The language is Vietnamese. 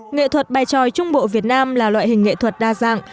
nghệ thuật bài tròi trung bộ việt nam là loại hình nghệ thuật đa dạng